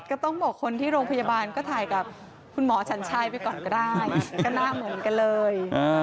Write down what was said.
ก็ต้องบอกคนที่โรงพยาบาลก็ถ่ายกับคุณหมอฉันชัยไปก่อนก็ได้ก็หน้าเหมือนกันเลย